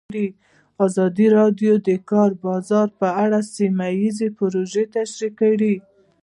ازادي راډیو د د کار بازار په اړه سیمه ییزې پروژې تشریح کړې.